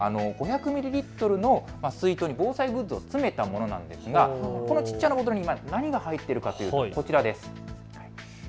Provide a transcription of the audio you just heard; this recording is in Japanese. ５００ミリリットルの水筒に防災グッズを詰めたものなんですが、この小さなボトルに何が入っているかというとこちらです。